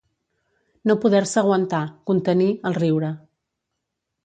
No poder-se aguantar, contenir, el riure.